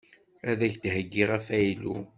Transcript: Ad ak-d-heyyiɣ afaylu.